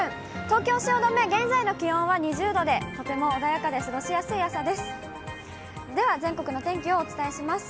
東京・汐留、現在の気温は２０度で、とても穏やかで過ごしやすい朝です。